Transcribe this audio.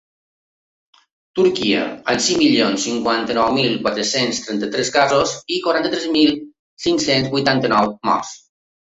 Turquia, amb cinc milions cinquanta-nou mil quatre-cents trenta-tres casos i quaranta-tres mil cinc-cents vuitanta-nou morts.